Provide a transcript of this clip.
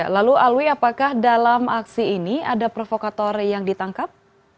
lalu alwi apakah dalam aksi ini ada provokator yang ditangkap